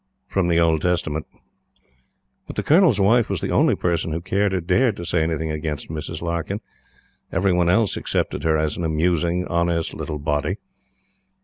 From the Old Testament. [But the Colonel's Wife was the only person who cared or dared to say anything against Mrs. Larkyn. Every one else accepted her as an amusing, honest little body.